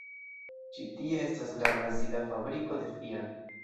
Ĉi tie estas la brazila fabriko de Fiat.